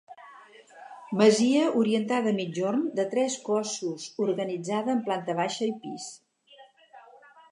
Masia orientada a migjorn de tres cossos organitzada en planta baixa i pis.